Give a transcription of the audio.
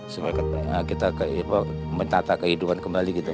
supaya kita menata kehidupan kembali gitu